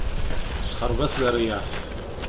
Isexṛeb-as leryaḥ.